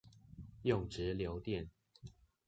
用直流電